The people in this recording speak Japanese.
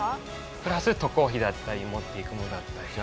プラス渡航費だったり持って行くものだったりが。